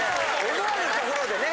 思わぬところでね